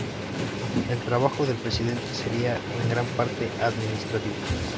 El trabajo del Presidente sería en gran parte administrativo.